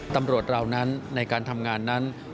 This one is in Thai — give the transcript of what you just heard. ตำรวจเรานั้นในการทำงานนั้น